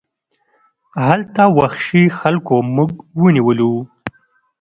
هلته وحشي خلکو موږ ونیولو.